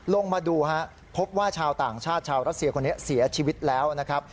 ลงมาดูฮะพบว่าชาวต่างชาติชาวรัสเซียคนนี้เสียชีวิตแล้วนะครับ